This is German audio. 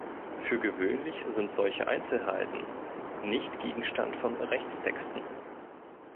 Für gewöhnlich sind solche Einzelheiten nicht Gegenstand von Rechtstexten.